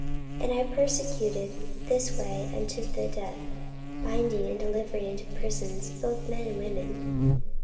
44:022:004 And I persecuted this way unto the death, binding and delivering into prisons both men and women.